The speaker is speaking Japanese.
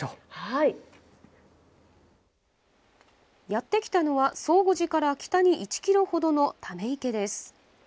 やって来たのは宗悟寺から北に１キロほどのため池です。